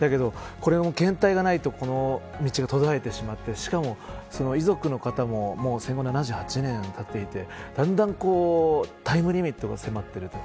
検体がないと道が途絶えてしまってしかも、その遺族の方も戦後７８年たっていてだんだんタイムリミットが迫っています。